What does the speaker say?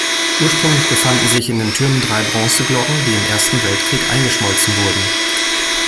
Ursprünglich befanden sich in den Türmen drei Bronzeglocken, die im Ersten Weltkrieg eingeschmolzen wurden.